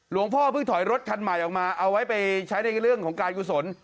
พ่อเพิ่งถอยรถคันใหม่ออกมาเอาไว้ไปใช้ในเรื่องของการกุศล